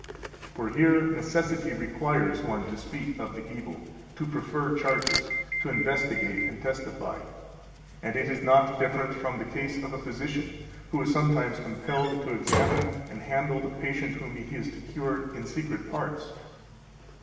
For here necessity requires one to speak of the evil, to prefer charges, to investigate and testify; 275 and it is not different from the case of a physician who is sometimes compelled to examine and handle the patient whom he is to cure in secret parts.